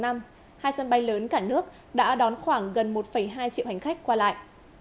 hai sân bay lớn cả nước đã đón khoảng gần một hai triệu hành khách qua lại